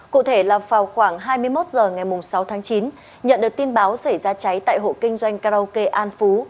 cụ thể là vào khoảng hai mươi một h ngày sáu tháng chín nhận được tin báo xảy ra cháy tại hộ kinh doanh karaoke an phú